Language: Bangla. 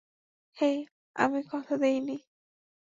হেই, আমি কথা দেইনি!